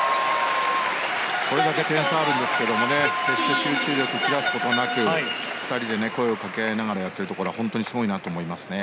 これだけ点差あるんですけども決して集中力切らすことなく２人で声をかけ合いながらやっているところは本当にすごいなと思いますね。